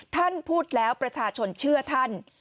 ท่านพูดแล้วประชาชนเชื่อท่าน